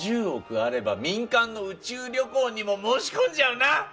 あれば民間の宇宙旅行にも申し込んじゃうな！